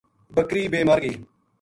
بکری بے مر گئی